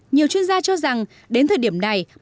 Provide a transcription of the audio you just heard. nhiều chuyên gia cho rằng đến thời điểm này